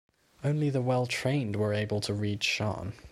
Only the well-trained were able to read Shan.